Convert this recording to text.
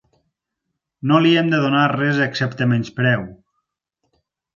No li hem de donar res excepte menyspreu.